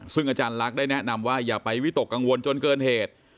ซึ่งอาจารย์ลักษณ์ได้แนะนำว่าอย่าไปวิตกกังวลจนเกินเหตุ